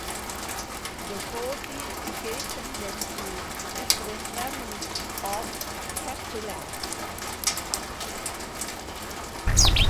The fortification went through different families of Castellans.